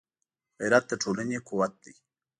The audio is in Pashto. غیرت د ټولنې قوت دی